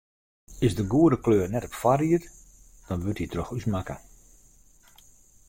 Is de goede kleur net op foarried, dan wurdt dy troch ús makke.